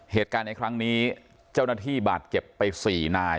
เหตุการณ์ในครั้งนี้เจ้าหน้าที่บาดเจ็บไป๔นาย